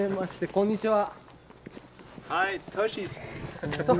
こんにちは。